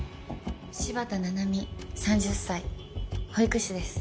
柴田七海３０歳保育士です。